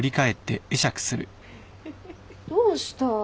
どうした？